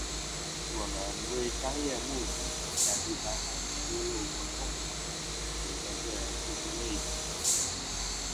我们为商业目的向第三方披露或共享的您的个人信息类别；